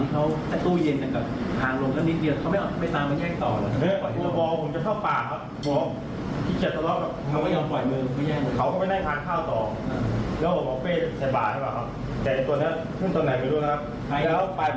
ซึ่งว่าเป้ี้ยงดึงนู่นดึงนี่ก็ไม่รู้รังแหง